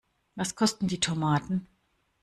Was kosten die Tomaten?